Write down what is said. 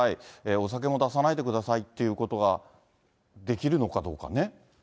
お酒も出さないでくださいっていうことが、できるのかどうかね。